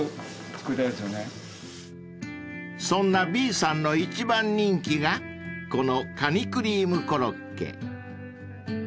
［そんな”Ｂ”さんの一番人気がこのカニクリームコロッケ］